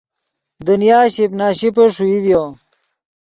دنیا شیپ نا شیپے ݰوئی ڤیو